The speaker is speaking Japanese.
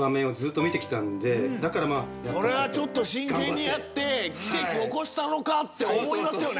それはちょっと真剣にやって奇跡起こしたろかって思いますよね。